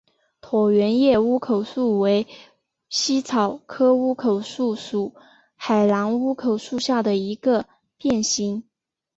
椭圆叶乌口树为茜草科乌口树属海南乌口树下的一个变型。